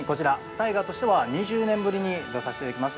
タイガーとしては、２０年ぶりに出させていただきます